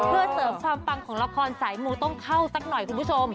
เพื่อเสริมความปังของละครสายมูต้องเข้าสักหน่อยคุณผู้ชม